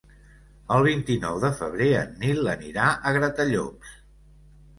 El vint-i-nou de febrer en Nil anirà a Gratallops.